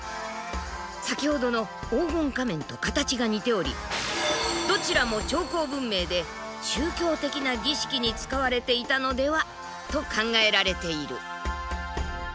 先ほどの黄金仮面と形が似ておりどちらも長江文明で宗教的な儀式に使われていたのでは？と考えられている。